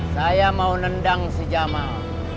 saya mau nendang si jamal